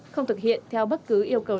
không thực hiện theo bất cứ yêu cầu